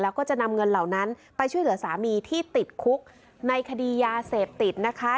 แล้วก็จะนำเงินเหล่านั้นไปช่วยเหลือสามีที่ติดคุกในคดียาเสพติดนะคะ